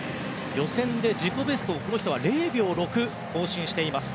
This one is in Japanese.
予選で自己ベストを０秒６更新しています。